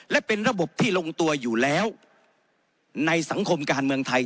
และเป็นระบบที่ลงตัวอยู่แล้วในสังคมการเมืองไทย